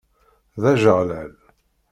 D ajeɣlal.